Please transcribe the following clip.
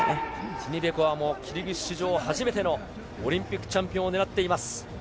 ティニベコワも、キルギス史上初めてのオリンピックチャンピオンを狙っています。